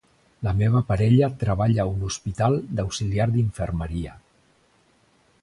La meva parella treballa a un hospital d'auxiliar d'infermeria.